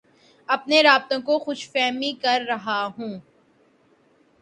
اپنے رابطوں کی خوش فہمی کررہا ہوں